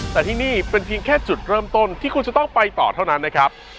แต่ที่นี่เป็นเพียงแค่จุดเริ่มต้นที่คุณจะต้องไปต่อเท่านั้นนะครับ